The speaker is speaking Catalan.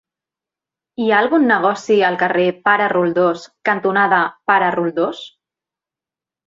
Hi ha algun negoci al carrer Pare Roldós cantonada Pare Roldós?